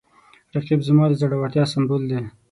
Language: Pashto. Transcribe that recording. رقیب زما د زړورتیا سمبول دی